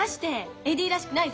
エディらしくないぞ。